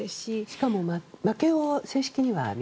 しかも負けを正式には。